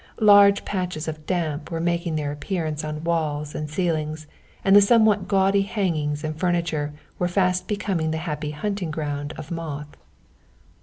Large patches of damp were making their appearance on walls and ceilings, and the somewhat gaudy hangings and furniture were fast becoming the happy hunting ground of moth.